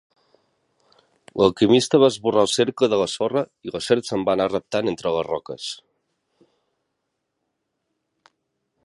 L'alquimista va esborrar el cercle de la sorra i la serp se'n va anar reptant entre les roques.